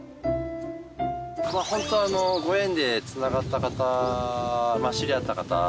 ホントあのご縁で繋がった方まあ知り合った方。